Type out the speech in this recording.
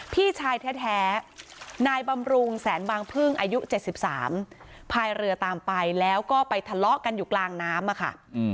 พี่ชายแท้นายบำรุงแสนบางพึ่งอายุ๗๓พายเรือตามไปแล้วก็ไปทะเลาะกันอยู่กลางน้ำอะค่ะ